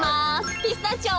ピスタチオ。